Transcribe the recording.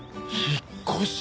引っ越し！